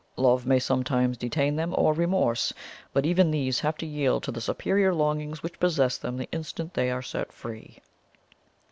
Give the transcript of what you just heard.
Love may sometimes detain them, or remorse; but even these have to yield to the superior longings which possess them the instant they are set free.